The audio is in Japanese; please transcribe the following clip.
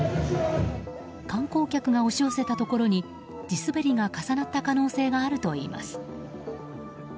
観光客が押し寄せたところに地滑りが重なった可能性があるといいます。